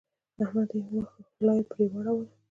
احمد يې وواهه؛ غلا يې پر واړوله.